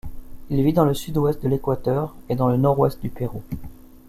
Il vit dans le sud-ouest de l'Équateur et dans le nord-ouest du Pérou.